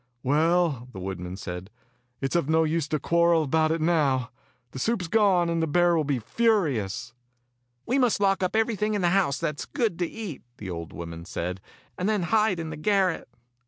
"Well," the woodman said, "it is of no use to quarrel about it now. The soup is gone, and the bear will be furious." "We must lock up everything in the house that is good to eat," the old woman said, "and then hide in the garret."